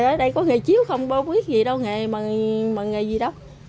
trời ơi đây có nghề chiếu không không biết gì đâu nghề mà nghề gì đâu